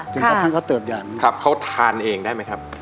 จนกระทั่งเขาเติบอย่างนี้ครับเขาทานเองได้ไหมครับ